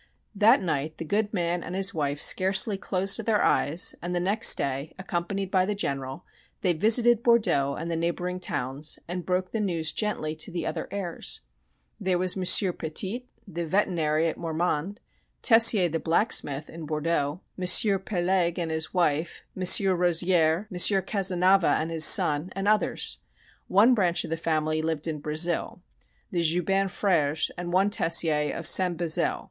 That night the good man and his wife scarcely closed their eyes, and the next day, accompanied by the General, they visited Bordeaux and the neighboring towns and broke the news gently to the other heirs. There was M. Pettit, the veterinary at Mormand; Tessier, the blacksmith in Bordeaux; M. Pelegue and his wife, M. Rozier, M. Cazenava and his son, and others. One branch of the family lived in Brazil the Joubin Frères and one Tessier of "Saint Bezeille."